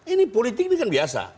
ini politik ini kan biasa